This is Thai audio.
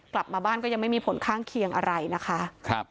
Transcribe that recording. กลับมาบ้านก็ยังไม่มีผลข้างเคียงอะไรนะคะ